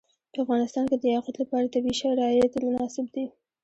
په افغانستان کې د یاقوت لپاره طبیعي شرایط مناسب دي.